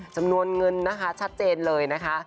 จำนวนเงินนะคะชัดเจนเลยนะคะ